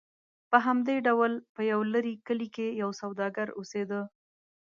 په همدې ډول په یو لرې کلي کې یو سوداګر اوسېده.